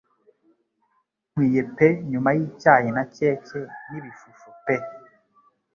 Nkwiye pe nyuma yicyayi na keke nibishusho pe